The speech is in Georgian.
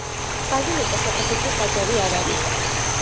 ბაზილიკა საკათედრო ტაძარი არ არის.